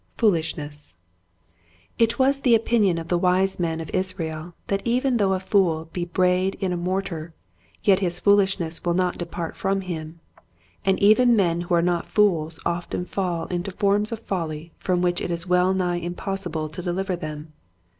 Foolishness, It was the opinion of the wise men of Israel that even though a fool be brayed in a mortar, yet his foolishness will not de part from him ; and even men who are not fools often fall into forms of folly from which it is well nigh impossible to deliver them.